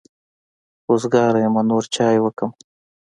وزګاره يمه نور چای وکمه.